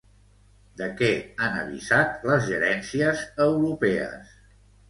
De què han avisat les gerències europees?